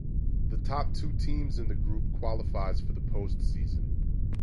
The top two teams in the group qualifies for the postseason.